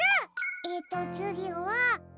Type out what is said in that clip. えっとつぎは。